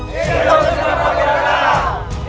hidupnya para penduduk